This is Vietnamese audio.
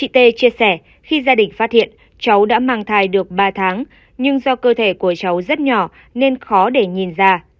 trong bệnh viện cháu đã mang thai được ba tháng nhưng do cơ thể của cháu rất nhỏ nên khó để nhìn ra